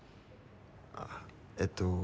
あっえっと